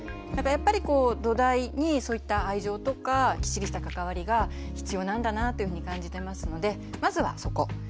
だからやっぱり土台にそういった愛情とかきっちりした関わりが必要なんだなぁっていうふうに感じてますのでまずはそこ。